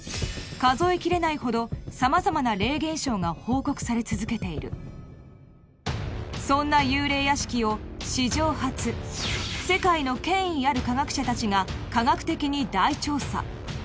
数え切れないほど様々な霊現象が報告され続けているそんな幽霊屋敷を史上初世界の権威ある科学者達が科学的に大調査